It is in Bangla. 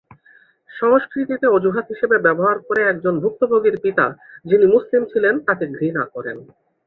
সংস্কৃতিকে অজুহাত হিসেবে ব্যবহার করে একজন ভুক্তভোগীর পিতা, যিনি মুসলিম ছিলেন, তাকে ঘৃণা করেন।